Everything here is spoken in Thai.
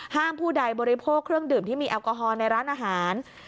ผู้ใดบริโภคเครื่องดื่มที่มีแอลกอฮอลในร้านอาหาร